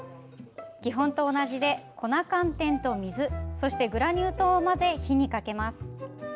基本と同じで粉寒天と水そしてグラニュー糖を混ぜ火にかけます。